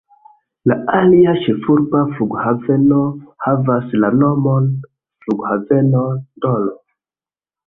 La alia ĉefurba flughaveno havas la nomon flughaveno N’Dolo.